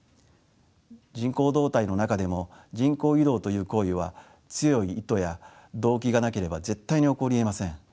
人口動態の中でも人口移動という行為は強い意図や動機がなければ絶対に起こりえません。